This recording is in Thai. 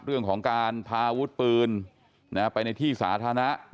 เรื่องของการพาอาวุธปืนไปในที่สาธารณะ